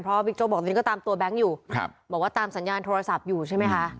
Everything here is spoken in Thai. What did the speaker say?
เพราะบิ๊กโจ๊บอกตอนนี้ก็ตามตัวแบงค์อยู่บอกว่าตามสัญญาณโทรศัพท์อยู่ใช่ไหมคะ